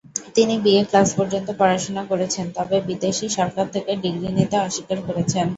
তিনি BA class পর্যন্ত পড়াশোনা করেছেন তবে বিদেশী সরকার থেকে ডিগ্রি নিতে অস্বীকার করেছেন।